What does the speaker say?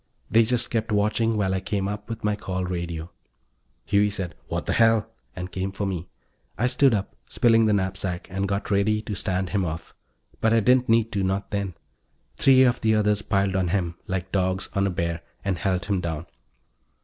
They just kept watching while I came up with my call radio. Huey said: "What the hell!" and came for me. I stood up, spilling the knapsack, and got ready to stand him off; but I didn't need to, not then. Three of the others piled on him, like dogs on a bear, and held him down.